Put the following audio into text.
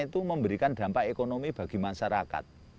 itu memberikan dampak ekonomi bagi masyarakat